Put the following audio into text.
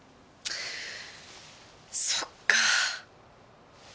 そっかー。